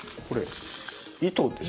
糸ですか？